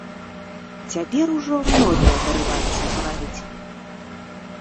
Цяпер ужо многія парываліся гаварыць.